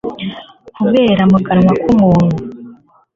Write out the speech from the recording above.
kubera mu kanwa k'umuntu